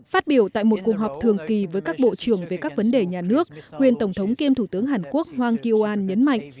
phát biểu tại một cuộc họp thường kỳ với các bộ trưởng về các vấn đề nhà nước quyền tổng thống kiêm thủ tướng hàn quốc hoang koan nhấn mạnh